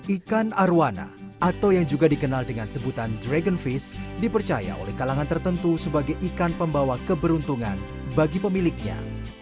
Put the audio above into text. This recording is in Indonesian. ikan arowana atau yang juga dikenal dengan sebutan dragonfish dipercaya oleh kalangan tertentu sebagai ikan pembawa keberuntungan bagi pemiliknya